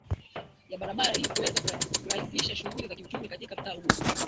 ya barabara ili kuweza kurahisisha shughuli za kiuchumi katika mtaa huo